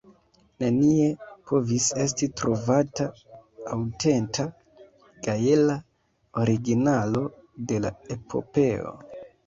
Nenie povis esti trovata aŭtenta gaela originalo de la epopeo.